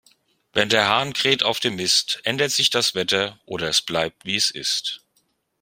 Wenn der Hahn kräht auf dem Mist, ändert sich das Wetter, oder es bleibt, wie es ist.